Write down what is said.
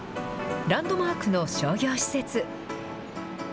ランドマークの商業施設。